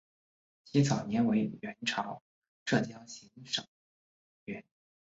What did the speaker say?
其早年为元朝浙江行省掾。